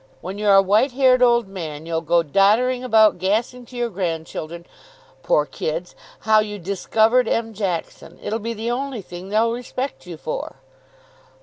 When you're a white haired old man you'll go doddering about, gassing to your grandchildren, poor kids, how you 'discovered' M. Jackson. It'll be the only thing they'll respect you for."